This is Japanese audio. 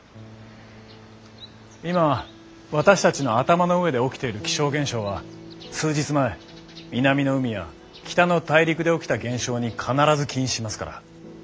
今私たちの頭の上で起きている気象現象は数日前南の海や北の大陸で起きた現象に必ず起因しますから。